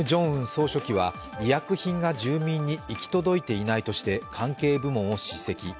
総書記は医薬品が住民に行き届いていないとして関係部門を叱責。